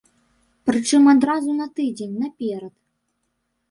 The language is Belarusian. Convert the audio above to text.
Прычым адразу на тыдзень наперад.